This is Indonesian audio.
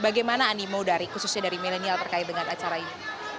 bagaimana animo dari khususnya dari milenial terkait dengan acara ini